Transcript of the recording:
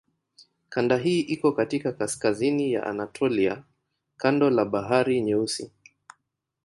Kanda hii iko katika kaskazini ya Anatolia kando la Bahari Nyeusi.